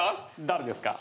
誰ですか？